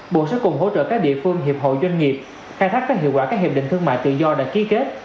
bộ sẽ cùng hỗ trợ các địa phương hiệp hội doanh nghiệp khai thác các hiệu quả các hiệp định thương mại tự do đã ký kết